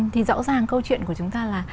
thì rõ ràng câu chuyện của chúng ta là